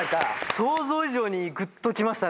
想像以上にぐっと来ましたね。